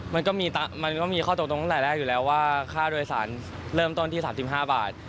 มันก็มีมันก็มีข้อตกลงตั้งแต่แรกอยู่แล้วว่าค่าโดยสารเริ่มต้นที่๓๕บาท